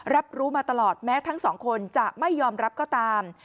รับรู้มาตลอดแม้ทั้งสองคนจะไม่ยอมรับก็ตาม